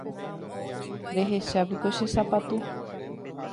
Rehechápiko che sapatu.